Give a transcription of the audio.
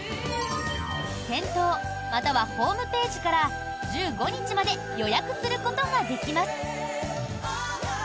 店頭またはホームページから１５日まで予約することができます。